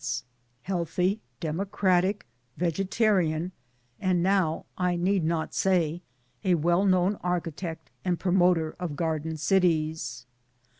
132 MY DAYS AND DREAMS healthy, democratic, vegetarian, and now I need not say a well known architect and promoter of Garden Cities.